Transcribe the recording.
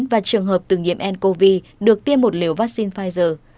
và trường hợp từng nhiễm ncov được tiêm một liều vaccine pfizer